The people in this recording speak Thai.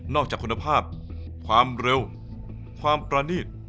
จากคุณภาพความเร็วความประนีต